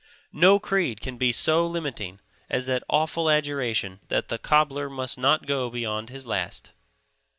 No creed can be so limiting as that awful adjuration that the cobbler must not go beyond his last.